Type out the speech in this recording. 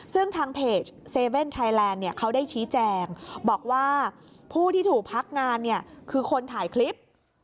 ซึ่งทางเพจเซเว่นไทยแลนด์เนี่ยเขาได้ชี้แจงบอกว่าผู้ที่ถูกพักงานเนี่ยคือคนถ่ายคลิป